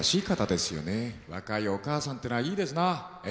若いお母さんってのはいいですな。